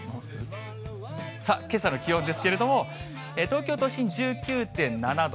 さあ、けさの気温ですけれども、東京都心１９．７度。